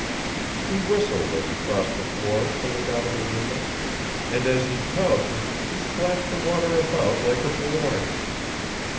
He whistled as he crossed the floor to look out of the window, and as he tubbed he splashed the water about like a boy.